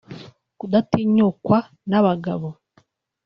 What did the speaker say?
Kudatinyukwa n’abagabo